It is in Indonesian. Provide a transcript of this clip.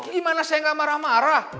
gimana saya gak marah marah